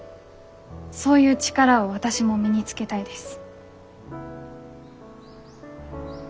そういう力を私も身につけたいです。